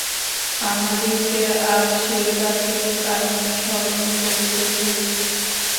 আমাদিগকে আজ সেই প্রাচীন কাহিনী স্মরণ করিতে হইবে।